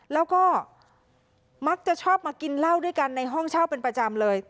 แล้วก็มักจะชอบมากินเหล้าด้วยกันในห้องเช่าเป็นประจำเลย